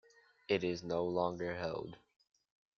It is no longer held.